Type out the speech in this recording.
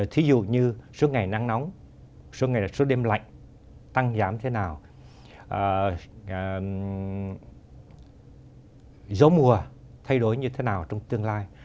thí dụ như số ngày nắng nóng số đêm lạnh tăng giảm thế nào dấu mùa thay đổi như thế nào trong tương lai